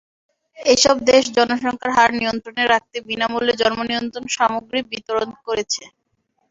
এসব দেশ জনসংখ্যার হার নিয়ন্ত্রণে রাখতে বিনা মূল্যে জন্মনিয়ন্ত্রণ সামগ্রী বিতরণ করেছে।